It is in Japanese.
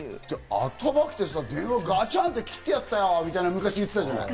頭きて、電話ガチャンって切ってやったよみたいなの言ってたじゃない？